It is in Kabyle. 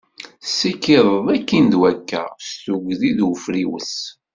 Tessikid akin d wakka s tugdi d ufriwes.